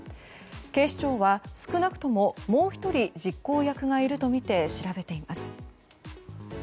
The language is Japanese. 警視庁は少なくとももう１人実行役がいるとみて調べています。